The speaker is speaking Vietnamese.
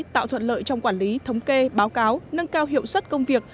tạo thuận lợi trong quản lý thống kê báo cáo nâng cao hiệu suất công việc